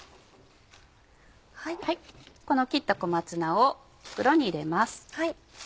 この切った小松菜を袋に入れます。